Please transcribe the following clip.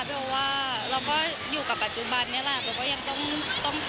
เราก็อยู่กับปัจจุบันนี่แหละ